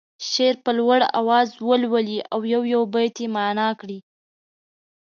شعر په لوړ اواز ولولي او یو یو بیت معنا کړي.